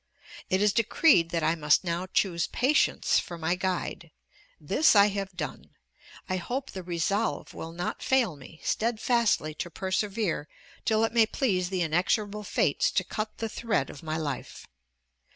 It is decreed that I must now choose Patience for my guide! This I have done. I hope the resolve will not fail me, steadfastly to persevere till it may please the inexorable Fates to cut the thread of my life.